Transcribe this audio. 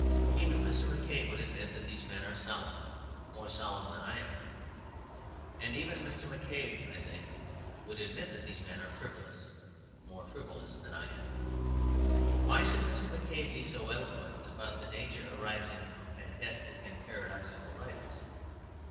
Even Mr. McCabe would admit that these men are solemn more solemn than I am. And even Mr. McCabe, I think, would admit that these men are frivolous more frivolous than I am. Why should Mr. McCabe be so eloquent about the danger arising from fantastic and paradoxical writers?